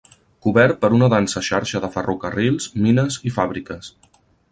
Cobert per una densa xarxa de ferrocarrils, mines, i fàbriques.